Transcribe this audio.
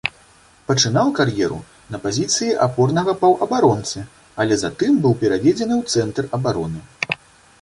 Пачынаў кар'еру на пазіцыі апорнага паўабаронцы, але затым быў пераведзены ў цэнтр абароны.